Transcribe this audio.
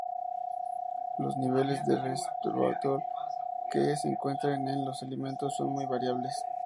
Los niveles de resveratrol que se encuentran en los alimentos son muy variables.